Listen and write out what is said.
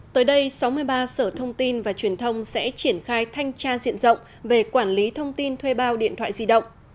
tới đây sáu mươi ba sở thông tin và truyền thông sẽ triển khai thanh tra diện rộng về quản lý thông tin thuê bao điện thoại di động